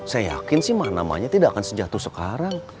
saya yakin sih mah namanya tidak akan sejatuh sekarang